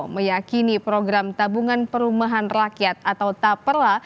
meyakini program tabungan perumahan rakyat atau taperla